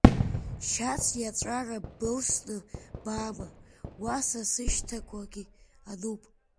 Шьац иаҵәара былсны баама, уа са сышьҭақәагь ануп.